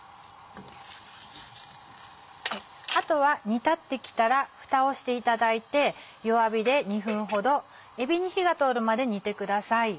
あとは煮立ってきたらフタをしていただいて弱火で２分ほどえびに火が通るまで煮てください。